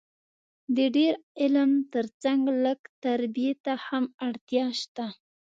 د ډېر علم تر څنګ لږ تربیې ته هم اړتیا سته